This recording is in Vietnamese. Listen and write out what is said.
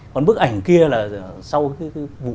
còn bức ảnh kia là sau vụ